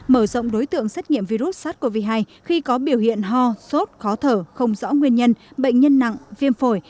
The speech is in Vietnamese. mở rộng đối tượng xét nghiệm virus sars cov hai khi có biểu hiện ho sốt khó thở không rõ nguyên nhân bệnh nhân nặng viêm phổi